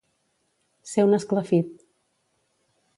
Ser un esclafit.